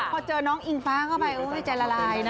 พอเจอน้องอิงฟ้าเข้าไปโอ้ยใจละลายนะ